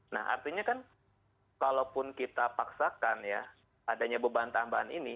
nah artinya kan kalaupun kita paksakan ya adanya beban tambahan ini